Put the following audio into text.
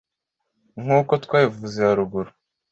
nk’uko twabivuze haruguru